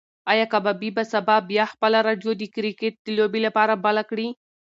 ایا کبابي به سبا بیا خپله راډیو د کرکټ د لوبې لپاره بله کړي؟